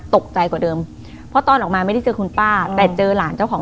กว่าเดิมเพราะตอนออกมาไม่ได้เจอคุณป้าแต่เจอหลานเจ้าของ